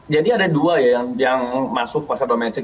jadi ada dua ya yang masuk pasar domestik